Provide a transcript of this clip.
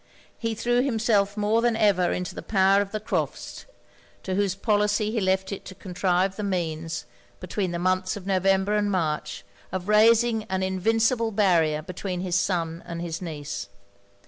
He threw himself more than ever into the power of the Crofts', to whose policy he left it to contrive the means, between the months of November and March, of raising an invincible barrier between his son and his niece.